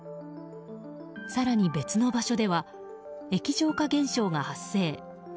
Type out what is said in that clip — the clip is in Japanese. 更に別の場所では液状化現象が発生。